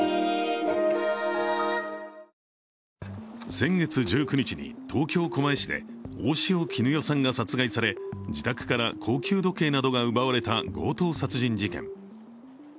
先月１９日に東京・狛江市で大塩衣与さんが殺害され自宅から高級時計などが奪われた強盗殺人事件。